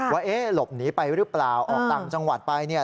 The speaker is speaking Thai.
ว่าเอ๊ะหลบหนีไปหรือเปล่าออกต่างจังหวัดไปเนี่ย